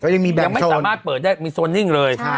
ยังไม่สามารถเปิดได้มีโซนนิ่งเลย